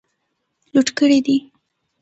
لوټ کړي دي.